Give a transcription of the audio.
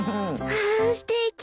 わあすてき。